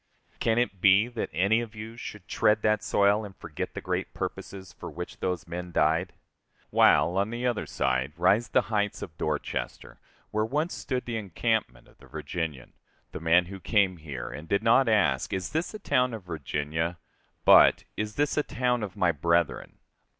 Can it be that any of you should tread that soil and forget the great purposes for which those men died? While, on the other side, rise the heights of Dorchester, where once stood the encampment of the Virginian, the man who came here, and did not ask, Is this a town of Virginia? but, Is this a town of my brethren?